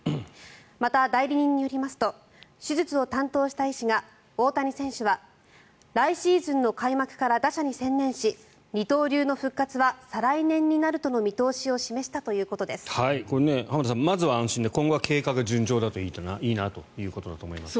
また代理人によりますと手術を担当した医師が大谷選手は来シーズンの開幕から打者に専念し二刀流の復活は再来年になるとの見通しを浜田さん、まずは安心で今後は経過が順調だといいなということだと思います。